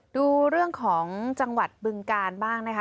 ดูเรื่องของจังหวัดบึงกาลบ้างนะคะ